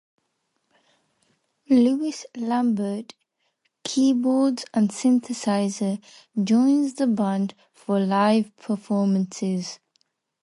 Louis Lambert (keyboards and synthesizer) joins the band for live performances.